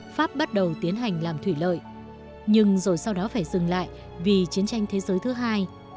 pháp bắt đầu tiến hành làm thủy lợi nhưng rồi sau đó phải dừng lại vì chiến tranh thế giới thứ hai